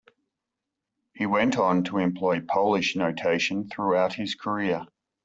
He went on to employ Polish notation throughout his career.